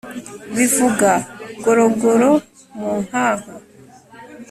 Bivuga gorogoro mu nkanka